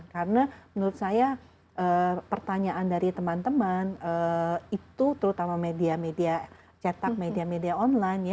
karena menurut saya pertanyaan dari teman teman itu terutama media media cetak media media online ya